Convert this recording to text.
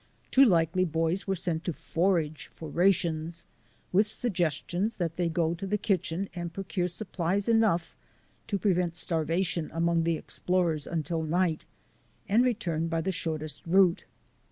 Two likely boys were sent out to forage for rations, with suggestions that they go to the kitchen and procure supplies enough to prevent starvation among the explorers until night, and return by the shortest route.